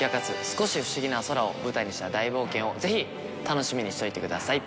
少し不思議な空を舞台にした大冒険をぜひ楽しみにしておいてください。